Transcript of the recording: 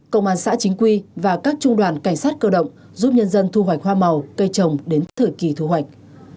công an xã chính quy và các trung đoàn cảnh sát cơ động giúp nhân dân thu hoạch hoa màu cây trồng đến thời kỳ thu hoạch